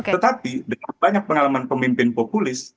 tetapi dengan banyak pengalaman pemimpin populis